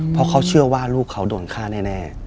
เพราะเขาเชื่อว่าลูกเขาโดนฆ่าแน่